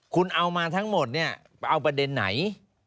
คุณเอามาทั้งหมดเนี่ยไปเอาประเด็นไหน